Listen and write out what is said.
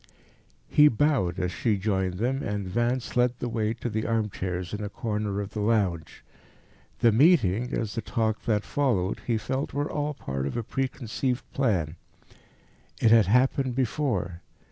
He bowed, as she joined them, and Vance led the way to the armchairs in a corner of the lounge. The meeting, as the talk that followed, he felt, were all part of a preconceived plan. It had happened before.